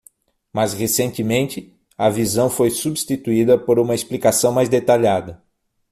Mas recentemente, a visão foi substituída por uma explicação mais detalhada.